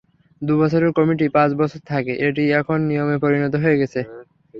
দুবছরের committee পাঁচ বছর থাকে, এটি এখন নিয়মে পরিণত হয়ে গেছে।